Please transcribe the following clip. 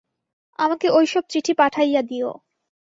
আমাকে ঐ সব চিঠি পাঠাইয়া দিও।